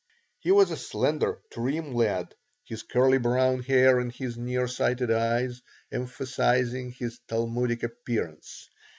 He was a slender, trim lad, his curly brown hair and his near sighted eyes emphasizing his Talmudic appearance.